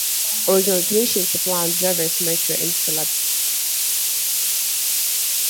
Originally, three ships were planned: "Java", "Sumatra", and "Celebes".